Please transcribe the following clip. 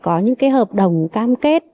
có những cái hợp đồng cam kết